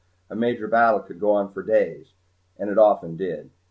A major battle could go on for days and it often did.